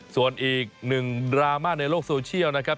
ส่วนอีกหนึ่งดราม่าในโลกโซเชียลนะครับ